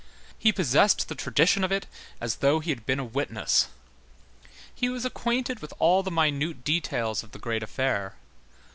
He possessed the tradition of it as though he had been a witness. He was acquainted with all the minute details of the great affair.